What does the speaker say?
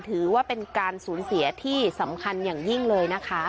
ถือว่าเป็นการสูญเสียที่สำคัญอย่างยิ่งเลยนะคะ